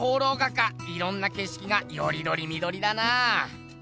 いろんな景色がよりどりみどりだなぁ。